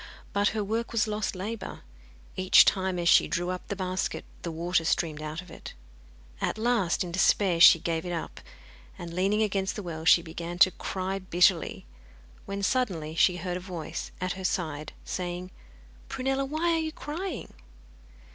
But her work was lost labour. Each time, as she drew up the basket, the water streamed out of it. At last, in despair, she gave it up, and leaning against the well she began to cry bitterly, when suddenly she heard a voice at her side saying 'Prunella, why are you crying?